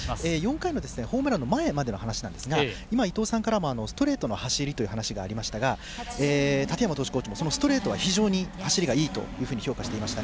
４回のホームラン前までの話なんですが伊東さんからもストレートの走りという話がありましたが建山投手コーチも非常に走りがいいというふうに評価をしていました。